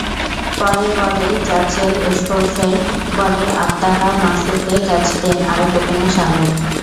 পরের বলেই র্যাচেল স্কোলসের বলে আবতাহা মাকসুদকে ক্যাচ দেন আরেক ওপেনার শারমিন।